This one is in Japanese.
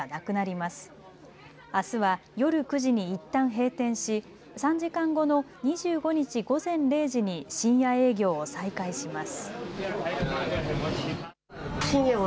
あすは夜９時にいったん閉店し、３時間後の２５日午前０時に深夜営業を再開します。